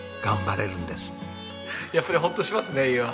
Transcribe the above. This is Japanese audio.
やっぱりほっとしますね家は。